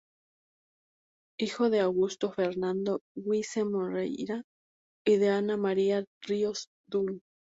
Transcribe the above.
Hijo de Augusto Fernando Wiese Moreyra y de Ana María Ríos Dunn.